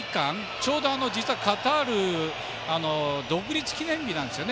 ちょうど、実はカタール独立記念日なんですよね。